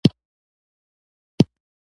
ابوزید له ادامې سره شدیده علاقه درلوده.